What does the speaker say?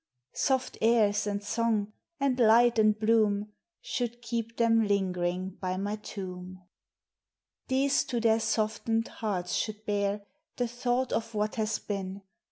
Soft airs, and song, and light and bloom Should keep them lingering by my tomb. These to their softened hearts should bear The thought of what has been.